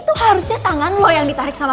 tuh gue gak suka follow stalker sama lo